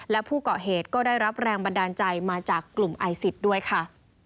และผู้เกาะเหตุก็ได้รับแรงบันดาลใจมาจากกลุ่มไอซิสด้วยค่ะ